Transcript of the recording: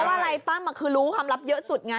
ว่าอะไรปั้มคือรู้ความลับเยอะสุดไง